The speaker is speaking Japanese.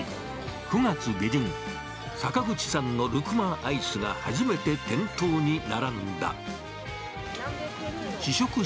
９月下旬、阪口さんのルクマアイスが初めて店頭に並んだ。